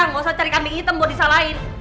gak usah cari kandung hitam buat disalahin